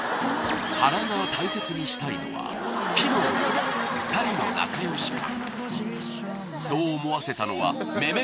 原が大切にしたいのは機能より２人の仲良し感